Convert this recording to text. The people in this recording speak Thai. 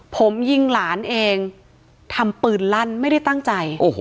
ผมยิงหลานเองทำปืนลั่นไม่ได้ตั้งใจ